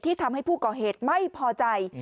ทำให้ผู้ก่อเหตุไม่พอใจ